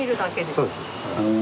そうです。